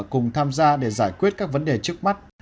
cùng tham gia để giải quyết các vấn đề trước mắt